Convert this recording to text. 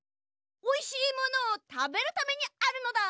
おいしいものをたべるためにあるのだ！